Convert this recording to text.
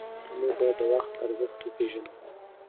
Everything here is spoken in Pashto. موږ باید د وخت ارزښت وپېژنو.